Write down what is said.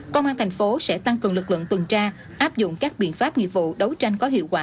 công an thành phố sẽ tăng cường lực lượng tuần tra áp dụng các biện pháp nghiệp vụ đấu tranh có hiệu quả